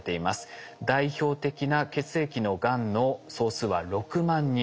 代表的な血液のがんの総数は６万人。